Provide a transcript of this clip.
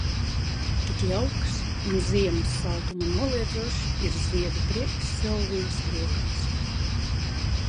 Tik jauks un ziemas saltumu noliedzošs ir ziedu prieks Silvijas rokās.